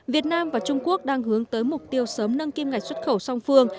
việt nam và trung quốc đang hướng tới mục tiêu sớm nâng kim ngạch xuất khẩu song phương